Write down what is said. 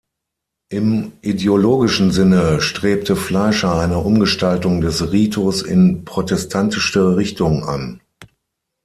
Im ideologischen Sinne strebte Fleischer eine Umgestaltung des Ritus in protestantische Richtung an.